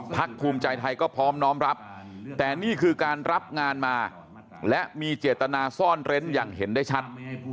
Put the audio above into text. ภูมิใจไทยก็พร้อมน้อมรับแต่นี่คือการรับงานมาและมีเจตนาซ่อนเร้นอย่างเห็นได้ชัด